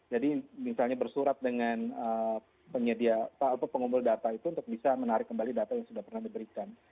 jadi misalnya bersurat dengan penyedia atau pengumpul data itu untuk bisa menarik kembali data yang sudah pernah diberikan